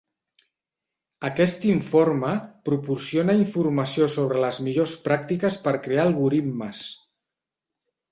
Aquest informe proporciona informació sobre les millors pràctiques per crear algoritmes.